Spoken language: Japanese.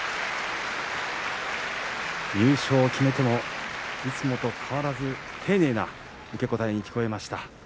優勝を決めてもいつもと変わらず丁寧な受け答えに聞こえました。